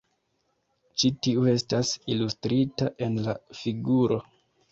Ĉi tiu estas ilustrita en la figuro.